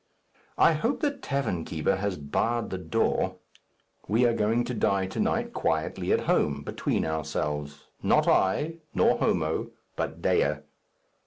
I hope the tavern keeper has barred the door. We are going to die to night quietly at home, between ourselves not I, nor Homo, but Dea.